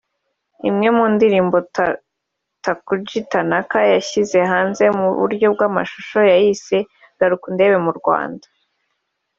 Imwe mu ndirimbo Takuji Tanaka yashyize hanze mu buryo bw’amashusho yayise ‘Garuka undebe mu Rwanda’